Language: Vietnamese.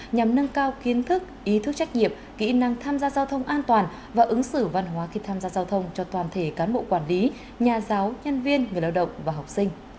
nhằm nâng cao kiến thức ý thức trách nhiệm kỹ năng tham gia giao thông an toàn và ứng xử văn hóa khi tham gia giao thông cho toàn thể cán bộ quản lý nhà giáo nhân viên người lao động và học sinh